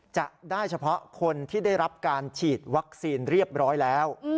จะได้เฉพาะคนที่ได้รับการฉีดวัคซีนเรียบร้อยแล้ว